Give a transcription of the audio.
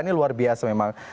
ini luar biasa memang